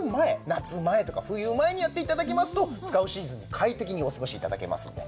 夏前とか冬前にやって頂きますと使うシーズンに快適にお過ごし頂けますんで。